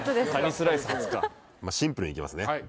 シンプルにいきますね。